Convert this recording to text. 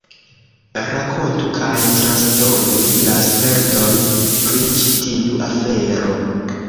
Rakontu kaj transdonu la sperton pri ĉi tiu afero.